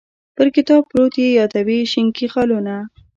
پر کتاب پروت یې یادوې شینکي خالونه